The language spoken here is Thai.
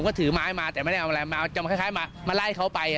ผมก็ถือไม้มาแต่ไม่ได้เอาอะไรมาเอาจำคล้ายคล้ายมามาไล่เขาไปอ่ะ